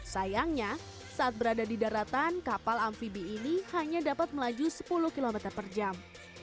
sayangnya saat berada di daratan kapal amphibie ini hanya dapat melaju sepuluh km per jam